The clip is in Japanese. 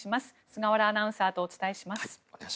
菅原アナウンサーとお伝えします。